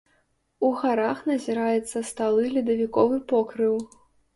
У гарах назіраецца сталы ледавіковы покрыў.